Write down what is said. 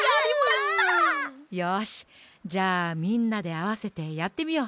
じゃあみんなであわせてやってみよう。